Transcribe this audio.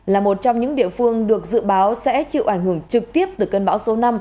là một trong những địa phương được dự báo sẽ chịu ảnh hưởng trực tiếp từ cơn bão số năm